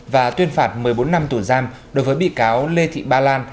và tuyên phạt một mươi bốn năm tù giam đối với bị cáo lê thị ba lan